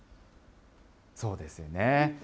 そうですよね。